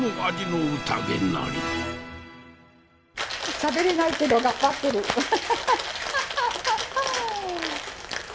しゃべれないけど頑張ってるハハハ。